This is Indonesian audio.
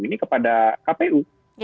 ini kepada kpu